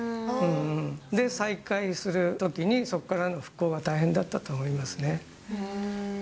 で、再開するときに、そこからの復興は大変だったと思いますね。